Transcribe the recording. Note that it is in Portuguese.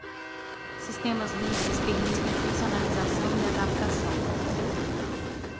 Sistemas livres permitem personalização e adaptação.